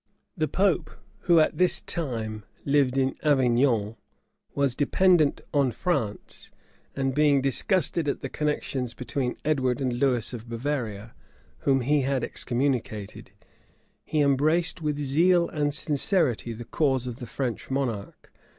The pope, who, at this time, lived in Avignon, was dependent on France; and being disgusted at the connections between Edward and Lewis of Bavaria, whom he had excommunicated, he embraced with zeal and sincerity the cause of the French monarch.